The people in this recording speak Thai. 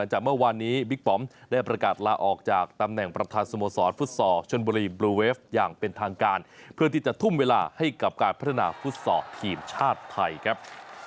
หลังจากเมื่อวานนี้บิ๊กป